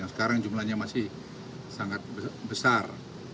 sekarang jumlahnya masih sangat besar